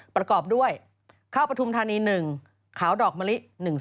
ประกอบด้วยข้าวปฐุมธานี๑ขาวดอกมะลิ๑๒